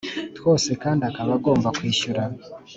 twose kandi akaba agomba kwishyura